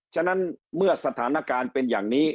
ฉะนั้นเมื่อสถานการณ์เป็นอย่างนี้